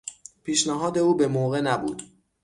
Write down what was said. پیشنهاد او به موقع نبود.